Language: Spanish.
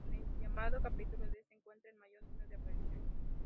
En el llamado "Capítulo "De" se encuentra el mayor número de apariciones.